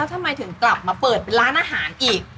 แล้วทำไมถึงกลับมาเปิดร้านอาหารอีก